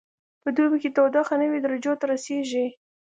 په دوبي کې تودوخه نوي درجو ته رسیږي